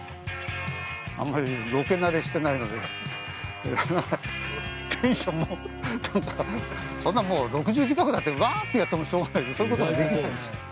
あんまりロケなれしてないのでテンションも、なんかそんなもう６０近くになってわあっやってもしょうがないそういうこともできないし。